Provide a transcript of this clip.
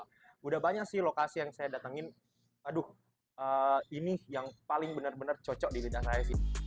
sudah banyak lokasi yang saya datangkan ini yang paling benar benar cocok di bidang saya